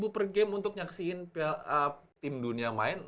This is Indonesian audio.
seratus per game untuk nyaksiin tim dunia main